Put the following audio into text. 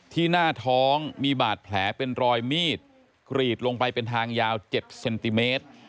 หน้าท้องมีบาดแผลเป็นรอยมีดกรีดลงไปเป็นทางยาว๗เซนติเมตร